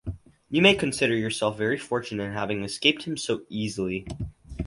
You may consider yourself very fortunate in having escaped him so easily.